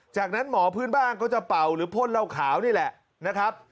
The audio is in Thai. จากนั้นหมอพื้นบ้านก็จะเป่าหรือพ่นเหล้าขาวนี่แหละนะครับ